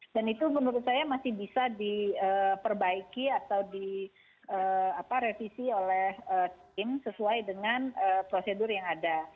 dan itu menurut saya masih bisa diperbaiki atau direvisi oleh tim sesuai dengan prosedur yang ada